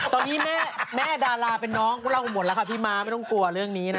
ตอนนี้แม่ดาราเป็นน้องพวกเราหมดแล้วค่ะพี่ม้าไม่ต้องกลัวเรื่องนี้นะ